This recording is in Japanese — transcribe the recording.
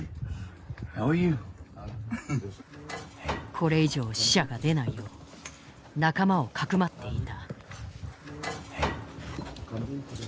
これ以上死者が出ないよう仲間をかくまっていた。